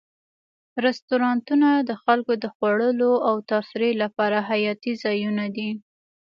رستورانتونه د خلکو د خوړلو او تفریح لپاره حیاتي ځایونه دي.